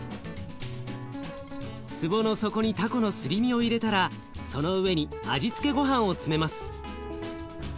壺の底にたこのすり身を入れたらその上に味付けごはんを詰めます。